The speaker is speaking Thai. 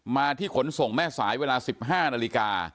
มาที่ขนส่งแม่สายเวลา๑๕นาฬิกา